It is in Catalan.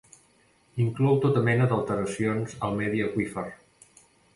Inclou tota mena d'alteracions al medi aqüífer.